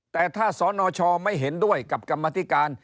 แต่ถ้าสนชไม่เห็นด้วยกับกรรมธิการ